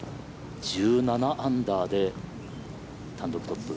１７アンダーで単独トップ。